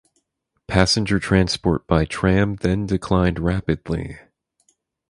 Passenger transport by tram then declined rapidly.